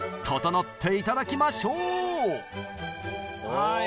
はい。